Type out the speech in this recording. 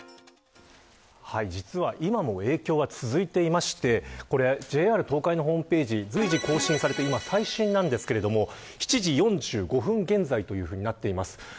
実は今も影響が続いていましてＪＲ東海のホームページ随時更新されて今最新なんですが７時４５分現在という形になっています。